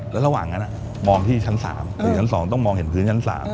แล้วระหว่างนั้นมองที่ชั้น๓ถึงชั้น๒ต้องมองเห็นพื้นชั้น๓